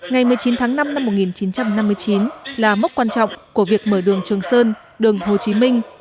bộ đội cụ hồ năm một nghìn chín trăm năm mươi chín là mốc quan trọng của việc mở đường trường sơn đường hồ chí minh